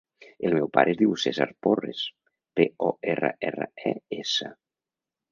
El meu pare es diu Cèsar Porres: pe, o, erra, erra, e, essa.